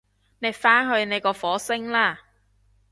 你返去你個火星啦